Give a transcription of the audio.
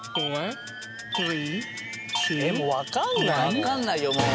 わかんないもう！